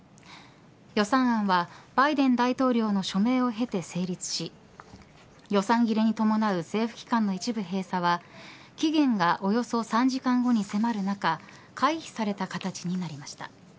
予算案はバイデン大統領の署名を経て成立し予算切れに伴う政府機関の一部閉鎖は期限がおよそ３時間後に迫る中回避された形になりました。